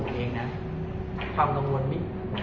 หรือเป็นอะไรที่คุณต้องการให้ดู